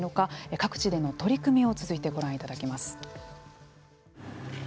各地での取り組みを続いてご覧いただきます。